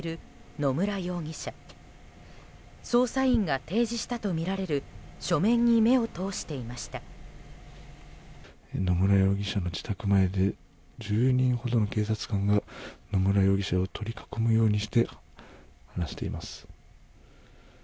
野村容疑者の自宅前で１０人ほどの警察官が野村容疑者を取り囲むようにして話しています。